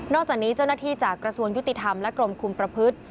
จากนี้เจ้าหน้าที่จากกระทรวงยุติธรรมและกรมคุมประพฤติ